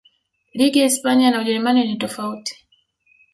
ligi ya hispania na ujerumani ni tofauti